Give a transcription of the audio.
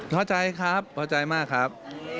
เข้าใจครับเข้าใจมากครับ